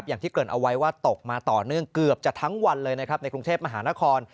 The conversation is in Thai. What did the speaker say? อย่างที่เกิดเอาไว้ว่าตกมาต่อเนื่องเกือบจะทั้งวันเลยนะครับในกรุงเทพมหานคร